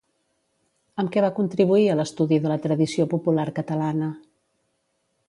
Amb què va contribuir a l'estudi de la tradició popular catalana?